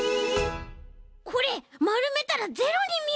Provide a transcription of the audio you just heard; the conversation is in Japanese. これまるめたら「０」にみえるかも！